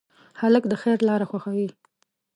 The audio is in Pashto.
هلک د خیر لاره خوښوي.